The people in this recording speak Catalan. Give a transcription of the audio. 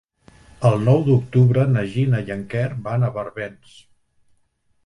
El nou d'octubre na Gina i en Quer van a Barbens.